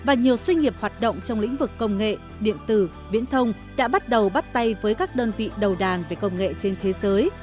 và nhiều doanh nghiệp hoạt động trong lĩnh vực công nghệ điện tử viễn thông đã bắt đầu bắt tay với các đơn vị đầu đàn về công nghệ trên thế giới